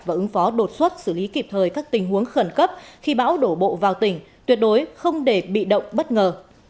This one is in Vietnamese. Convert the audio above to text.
và ứng phó đột xuất xử lý kịp thời các tình huống khẩn cấp khi bão đổ bộ vào tỉnh tuyệt đối không để bị động bất ngờ